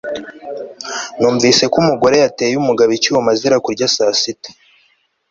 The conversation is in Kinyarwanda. numvise ko umugore yateye umugabo icyuma azira kurya saa sita